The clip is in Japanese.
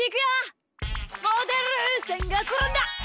モデルさんがころんだ！